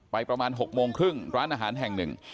ประมาณ๖โมงครึ่งร้านอาหารแห่งหนึ่ง